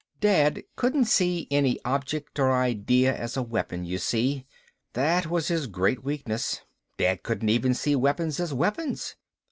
"Dad couldn't see any object or idea as a weapon, you see that was his great weakness. Dad couldn't even see weapons as weapons.